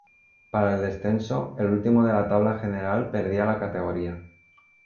Para el descenso, el último de la tabla general perdía la categoría.